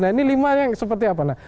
nah ini lima yang seperti apa